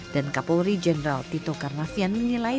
dan kapolri jenderal tito karnavian menilai